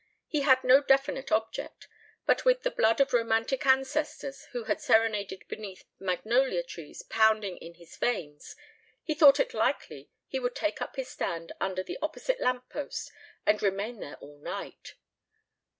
He had no definite object, but with the blood of romantic ancestors who had serenaded beneath magnolia trees pounding in his veins, he thought it likely he would take up his stand under the opposite lamp post and remain there all night.